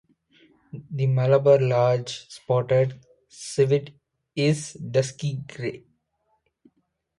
The Malabar large-spotted civet is dusky gray.